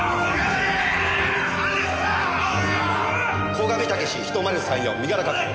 鴻上猛１０３４身柄確保。